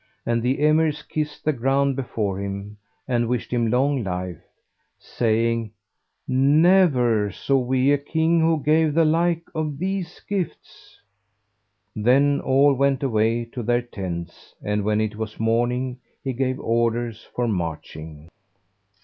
And the Emirs kissed the ground before him and wished him long life, saying, "Never saw we a King, who gave the like of these gifts." Then all went away to their tents and when it was morning he gave orders for marching.